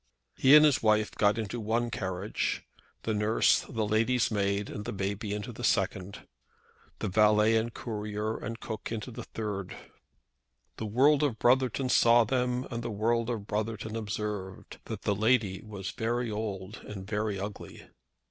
He and his wife got into one carriage; the nurse, the lady's maid, and the baby into a second; the valet and courier, and cook into a third. The world of Brotherton saw them, and the world of Brotherton observed that the lady was very old and very ugly.